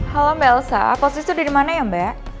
halo mbak elsa posisi tuh dimana ya mbak